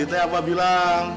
tadi mbak mbak bilang